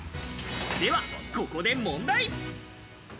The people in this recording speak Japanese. では、ここで問題。